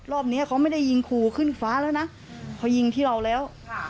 รอบนี้เขาไม่ได้ยิงขู่ขึ้นฟ้าแล้วนะเขายิงที่เราแล้ว